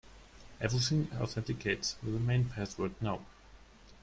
Everything authenticates with the main password now.